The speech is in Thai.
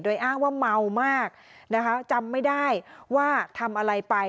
โดยอ้างว่าเมามากนะคะจำไม่ได้ว่าทำอะไรไป